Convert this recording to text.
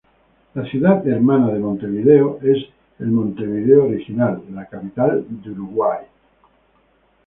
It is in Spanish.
La ciudad hermana de Montevideo es la Montevideo original, la capital de Uruguay.